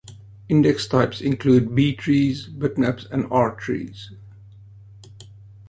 Index types include b-trees, bitmaps, and r-trees.